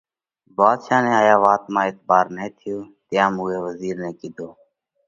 ڀاڌشا نئہ هايا وات مانه اعتڀار نہ ٿيو، تيام اُوئہ وزِير نئہ ڪِيڌو: